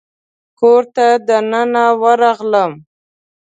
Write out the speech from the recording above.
کور ته دننه ورغلم.